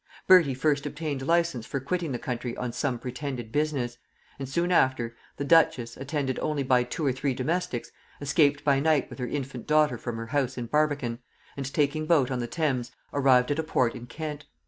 Bertie first obtained license for quitting the country on some pretended business; and soon after, the duchess, attended only by two or three domestics, escaped by night with her infant daughter from her house in Barbican, and taking boat on the Thames arrived at a port in Kent.